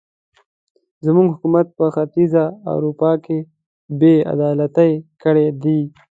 زموږ حکومت په ختیځه اروپا کې بې عدالتۍ کړې دي.